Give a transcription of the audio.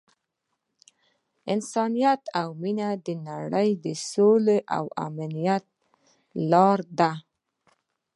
انسانیت او مینه د نړۍ د سولې او امنیت لاره ده.